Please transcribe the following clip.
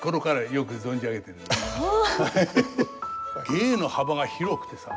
芸の幅が広くてさ。